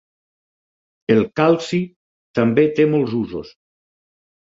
El calci també té molts usos.